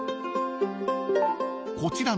［こちらの］